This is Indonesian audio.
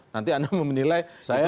nanti anda menilai